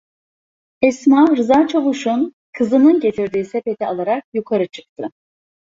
Esma, Rıza Çavuş"un kızının getirdiği sepeti alarak yukarı çıktı.